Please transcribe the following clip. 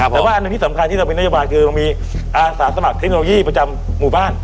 แต่ว่าอันหนึ่งที่สำคัญที่เรามีนโยบายคือเรามีอาสาสมัครเทคโนโลยีประจำหมู่บ้าน